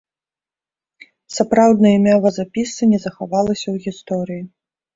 Сапраўднае імя вазапісца не захавалася ў гісторыі.